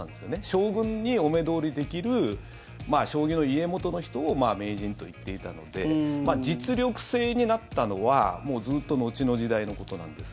将軍にお目通りできる将棋の家元の人を名人と言っていたので実力制になったのはもうずっと後の時代のことなんです。